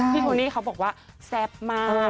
โทนี่เขาบอกว่าแซ่บมาก